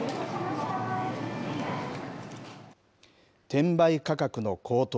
転売価格の高騰。